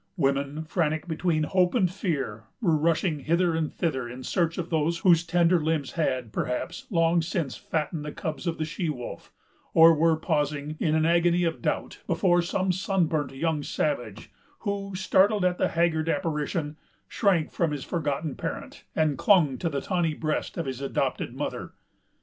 Women, frantic between hope and fear, were rushing hither and thither, in search of those whose tender limbs had, perhaps, long since fattened the cubs of the she wolf; or were pausing, in an agony of doubt, before some sunburnt young savage, who, startled at the haggard apparition, shrank from his forgotten parent, and clung to the tawny breast of his adopted mother.